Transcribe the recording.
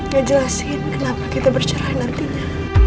yang jelasin kenapa kita bercerai nantinya